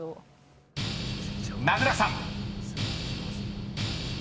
［名倉さん］